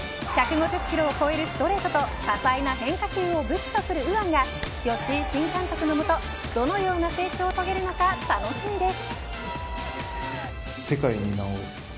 １５０キロを超えるストレートと多彩な変化球を武器とする右腕が吉井新監督の下どのような成長を遂げるのか楽しみです。